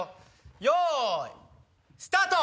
よいスタート！